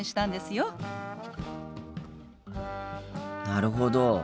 なるほど。